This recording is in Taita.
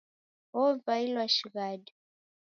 Wovailwa shighadi.